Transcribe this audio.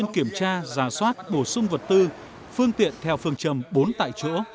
kiểm tra giả soát bổ sung vật tư phương tiện theo phương trầm bốn tại chỗ